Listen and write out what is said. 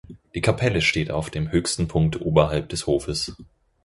Die Kapelle steht auf dem höchsten Punkt oberhalb des Hofes.